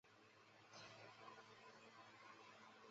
月台与站舍以地下通道连结。